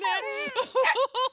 ウフフフフ！